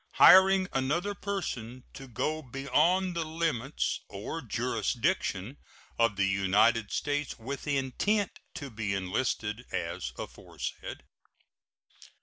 Hiring another person to go beyond the limits or jurisdiction of the United States with intent to be enlisted as aforesaid.